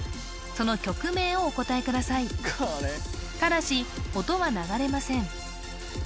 その曲名をお答えくださいただし音は流れません